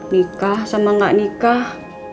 nikah sama gak nikah